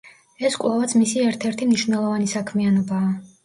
ეს კვლავაც მისი ერთ-ერთი მნიშვნელოვანი საქმიანობაა.